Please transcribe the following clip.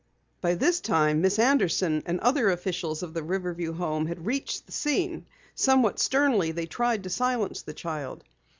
By this time, Miss Anderson and other officials of the Riverview Home had reached the scene. Somewhat sternly they tried to silence the child.